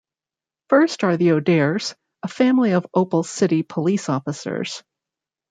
First are the O'Dares, a family of Opal City police officers.